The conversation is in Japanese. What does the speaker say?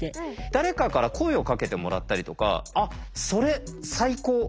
誰かから声をかけてもらったりとかあっそれ最高！